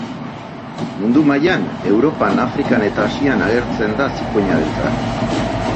Mundu mailan, Europan, Afrikan eta Asian agertzen da zikoina beltza.